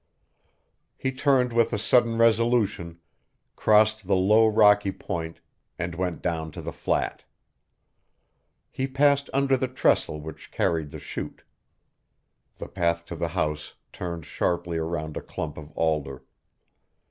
He turned with a sudden resolution, crossed the low rocky point and went down to the flat. He passed under the trestle which carried the chute. The path to the house turned sharply around a clump of alder.